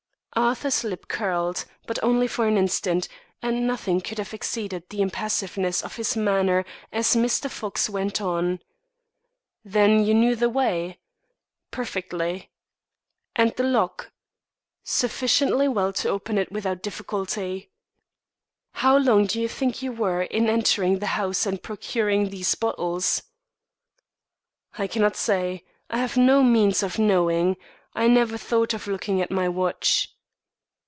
Arthur's lip curled, but only for an instant; and nothing could have exceeded the impassiveness of his manner as Mr. Fox went on. "Then you knew the way?" "Perfectly." "And the lock?" "Sufficiently well to open it without difficulty." "How long do you think you were in entering the house and procuring these bottles?" "I cannot say. I have no means of knowing; I never thought of looking at my watch."